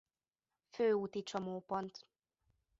Főúti csomópont.